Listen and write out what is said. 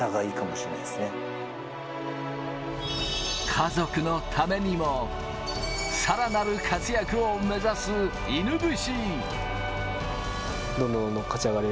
家族のためにも、さらなる活躍を目指す犬伏。